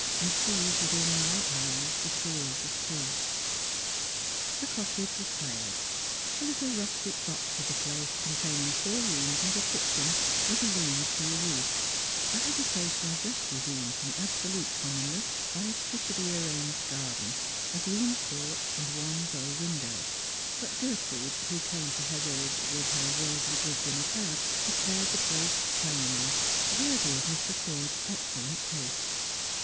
And sees within my eyes the tears of two." The cottage was hired ; a rustic little box of a place containing four rooms and a kitchen, with a lean to roof; a habitation just redeemed from absolute commonness by a prettily arranged garden, a green porch, and one bow window ; but Gertrude, who Sirauffers and I'ihjrims. i 83 came to Hetlieridge with hei worldly goods in a cab, declared the place charming, worthy of Mr. Forde's excellent taste.